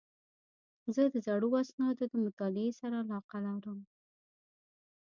زه د زړو اسنادو مطالعې سره علاقه لرم.